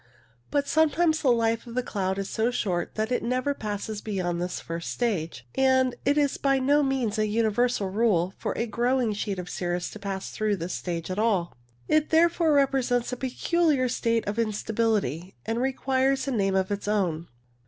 But sometimes the life of the cloud is so short that it never passes beyond this first stage ; and it is by no means a universal rule for a growing sheet of cirrus to pass through this stage at all. It therefore represents a peculiar state of instability, and requires a name of its own.